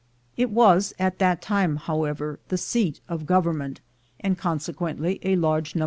It was at that time, however, the seat of government; and, conse quently, a large num.